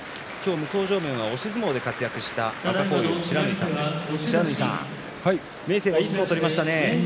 向正面は押し相撲で活躍した不知火さんです、不知火さん明生がいい相撲を取りましたね。